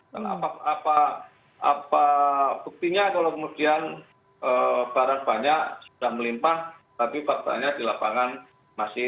dan apa buktinya kalau kemudian barang banyak sudah melimpah tapi faktanya di lapangan masih